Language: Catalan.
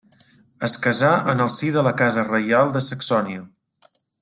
Es casà en el si de la casa reial de Saxònia.